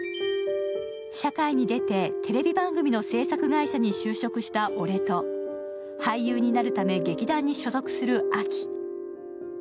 社会に出てテレビ番組の制作会社に就職した俺と、俳優になるため毛木団に所属するアキ。